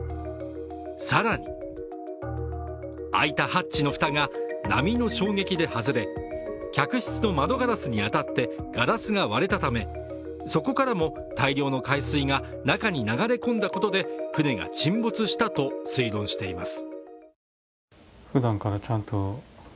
更に、開いたハッチの蓋が波の衝撃で外れ、客室の窓ガラスに当たってガラスが割れたためそこからも大量の海水が中に流れ込んだことで船が沈没したと推論しています。